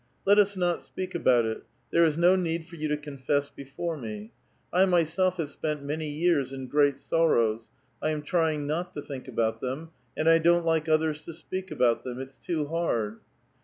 Let us not speak about it ; there is mo need for you to confess before me. I myself liave spent many years in great sorrows ; I am trjing not to think about tihem, and I don't like others to speak about them ; it's too liard."